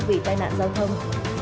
vì tai nạn giao thông